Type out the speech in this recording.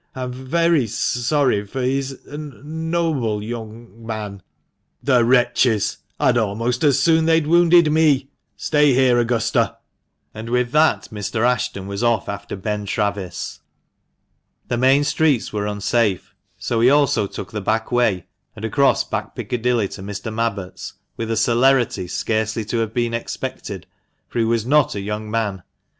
I'm v very s sorry, for he is a n noble y young man." "The wretches! I'd almost as soon they'd wounded me! Stay here, Augusta ;" and with that Mr. Ashton was off after THE MANCHESTER MAN. 185 Ben Travis. The main streets were unsafe, so he also took the back way, and across Back Piccadilly to Mr. Mabbott's, with a celerity scarcely to have been expected, for he was not a young man.